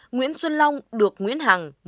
nguyễn xuân long được nguyễn hằng